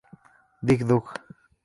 Dig Dug.